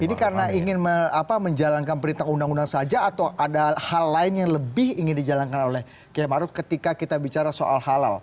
jadi karena ingin menjalankan perintah undang undang saja atau ada hal lain yang lebih ingin dijalankan oleh km arief ketika kita bicara soal halal